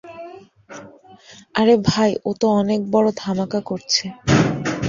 আরে ভাই ওতো অনেক বড় ধামাকা করছে।